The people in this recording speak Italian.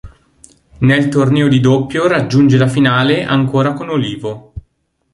Nel torneo di doppio raggiunge la finale ancora con Olivo.